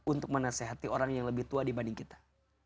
untuk menasehati orang yang lebih tua dibanding kita